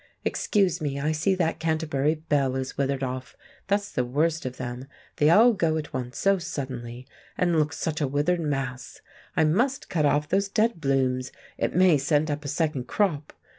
Excuse me, I see that Canterbury bell has withered off—that's the worst of them. They all go at once so suddenly, and look such a withered mass. I must cut off those dead blooms, it may send up a second crop.